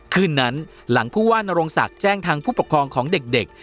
คืนนั้นหลังผู้ว่านโรงศักดิ์แจ้งทางผู้ปกครองของเด็ก